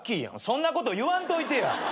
そんなこと言わんといて。